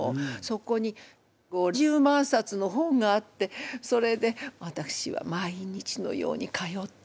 そこに５０万冊の本があってそれでわたくしは毎日のように通って勉強したわ。